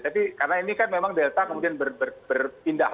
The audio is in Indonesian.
tapi karena ini kan memang delta kemudian berpindah